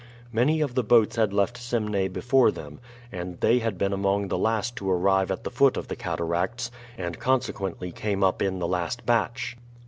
Many of the boats had left Semneh before them, and they had been among the last to arrive at the foot of the cataracts, and consequently came up in the last batch.